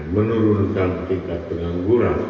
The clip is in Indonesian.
menurunkan tingkat pengangguran